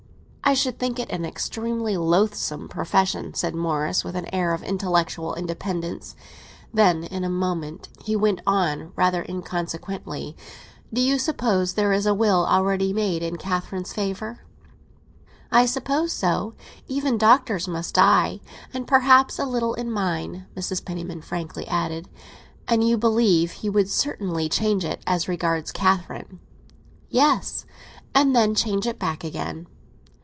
"I should think it an extremely loathsome profession," said Morris, with an air of intellectual independence. Then in a moment, he went on rather inconsequently, "Do you suppose there is a will already made in Catherine's favour?" "I suppose so—even doctors must die; and perhaps a little in mine," Mrs. Penniman frankly added. "And you believe he would certainly change it—as regards Catherine?" "Yes; and then change it back again."